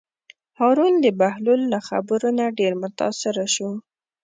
هارون د بهلول له خبرو نه ډېر متأثره شو.